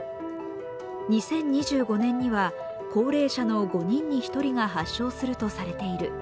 ２０２５年には高齢者の５人に１人が発症するとされている。